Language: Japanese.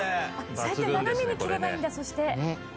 そうやって斜めに切ればいいんだそして。